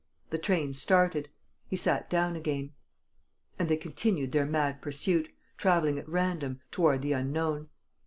The train started. He sat down again. And they continued their mad pursuit, travelling at random, toward the unknown....